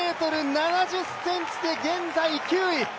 １６ｍ７０ｃｍで現在９位。